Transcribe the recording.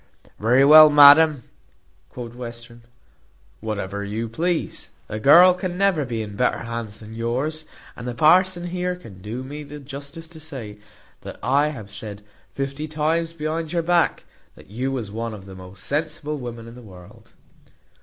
"Very well, madam," quoth Western, "whatever you please. The girl can never be in better hands than yours; and the parson here can do me the justice to say, that I have said fifty times behind your back, that you was one of the most sensible women in the world."